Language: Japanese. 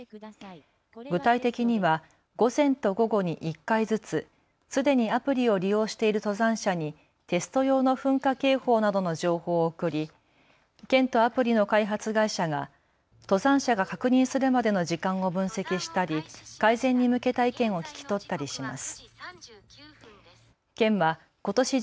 具体的には午前と午後に１回ずつ、すでにアプリを利用している登山者にテスト用の噴火警報などの情報を送り県とアプリの開発会社が登山者が確認するまでの時間を分析したり改善に向けた意見を聞き取ったりします。